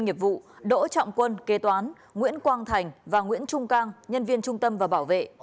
nghiệp vụ đỗ trọng quân kế toán nguyễn quang thành và nguyễn trung cang nhân viên trung tâm và bảo vệ